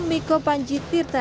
miko panji tirta yasa